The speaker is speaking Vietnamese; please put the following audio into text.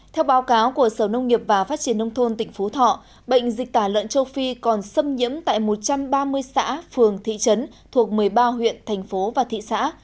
theo báo cáo của sở nông nghiệp và phát triển nông thôn tỉnh phú thọ bệnh dịch tả lợn châu phi còn xâm nhiễm tại một trăm ba mươi xã phường thị trấn thuộc một mươi ba huyện thành phố và thị xã